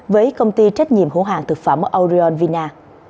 với công ty trách nhiệm hữu hàng thực phẩm orion vina